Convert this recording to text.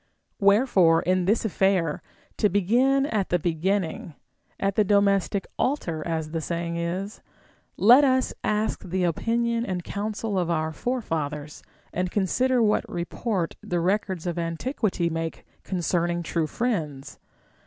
AVherefore, in this affair, — to begin at the beginning (at the domestic altar, as the saying is), — let us ask the opinion and counsel of our forefathers, and consider what report the records of antiquity make concerning true friends.